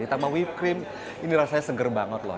ditambah whipped cream ini rasanya seger banget lho